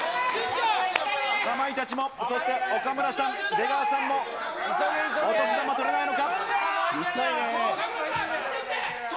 かまいたちも、そして岡村さん、出川さんも、お年玉取れないのか？